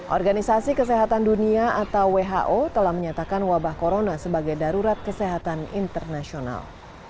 organisasi kesehatan dunia atau who telah menyatakan wabah corona sebagai darurat kesehatan internasional